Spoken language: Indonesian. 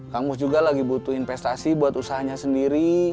kang mus juga lagi butuh investasi buat usahanya sendiri